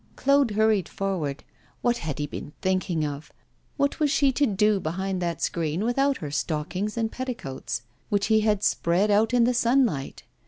Claude hurried forward. What had he been thinking of? What was she to do behind that screen, without her stockings and petticoats, which he had spread out in the sunlight?